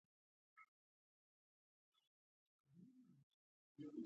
دا یوه دوامداره هڅه ده.